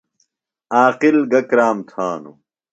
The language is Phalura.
عاقل گہ کرام تھانوۡ ؟